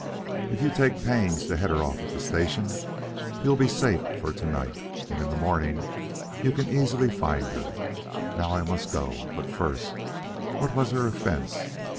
If you take pains to head her off at the station, you'll be safe for to night, and in the morning you can easily find her. Now I must go; but first, what was her offense?